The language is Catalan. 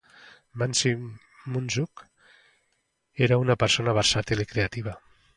Maxim Munzuk era una persona versàtil i creativa.